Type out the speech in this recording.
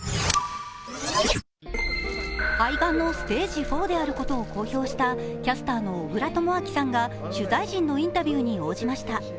肺がんのステージ４であることを公表したキャスターの小倉智昭さんが取材陣のインタビューに応じました。